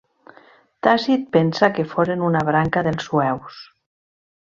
Tàcit pensa que foren una branca dels sueus.